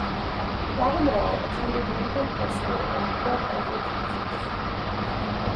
Babineaux attended Lincoln High School in Port Arthur, Texas.